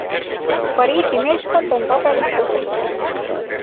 Pariisi meeskond on tabelis teisel kohal.